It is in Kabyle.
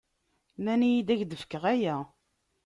Nnan-iyi-d ad k-d-fkeɣ aya.